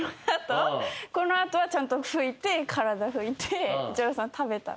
この後はちゃんと拭いて体拭いてジョナサン食べた。